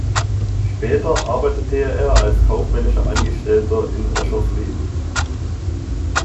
Später arbeitete er als kaufmännischer Angestellter in Oschersleben.